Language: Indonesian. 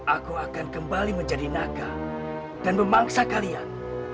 aku akan kembali menjadi naga dan memangsa kalian